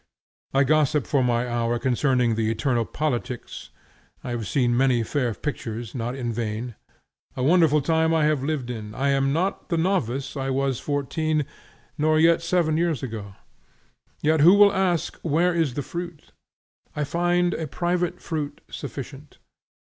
I gossip for my hour concerning the eternal politics. I have seen many fair pictures not in vain. A wonderful time I have lived in. I am not the novice I was fourteen, nor yet seven years ago. Let who will ask Where is the fruit? I find a private fruit sufficient.